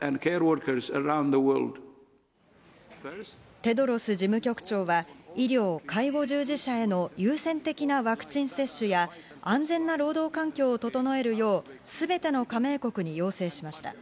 テドロス事務局長は医療・介護従事者への優先的なワクチン接種や、安全な労働環境を整えるよう、すべての加盟国に要請しました。